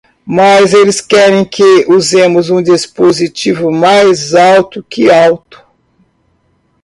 Mas eles querem que usemos um dispositivo mais alto que alto.